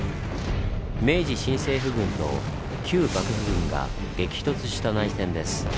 明治新政府軍と旧幕府軍が激突した内戦です。